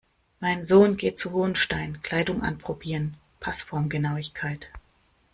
Mein Sohn geht zu Hohenstein, Kleidung anprobieren, Passformgenauigkeit.